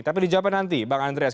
tapi dijawabkan nanti bang andreas